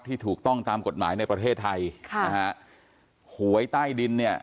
ถูกต้องตามกฎหมายในประเทศไทยค่ะนะฮะหวยใต้ดินเนี่ย